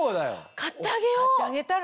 買ってあげよう。